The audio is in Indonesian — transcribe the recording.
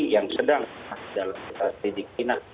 yang sedang dalam sidikina